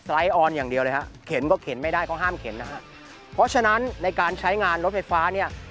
ออนอย่างเดียวเลยฮะเข็นก็เข็นไม่ได้เขาห้ามเข็นนะฮะเพราะฉะนั้นในการใช้งานรถไฟฟ้าเนี่ย